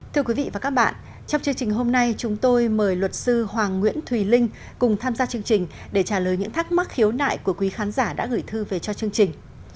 thưa quý vị và các bạn trong chương trình hôm nay chúng tôi mời luật sư hoàng nguyễn thùy linh cùng tham gia chương trình để trả lời những thắc mắc khiếu nại của quý khán giả đã gửi thư về cho chương trình